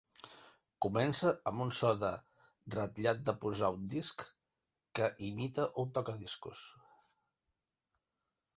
Comença amb un so de "ratllat de posar un disc" que imita un tocadiscos.